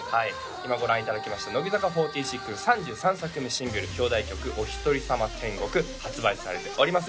今ご覧いただきました乃木坂４６３３作目シングル表題曲「おひとりさま天国」発売されております